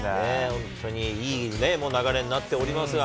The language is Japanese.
本当に、いい流れになっておりますが。